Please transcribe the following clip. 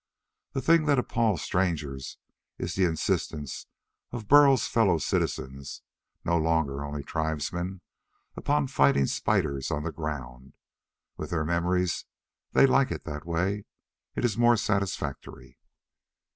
The thing that appalls strangers is the insistence of Burl's fellow citizens no longer only tribesmen upon fighting spiders on the ground. With their memories, they like it that way. It's more satisfactory.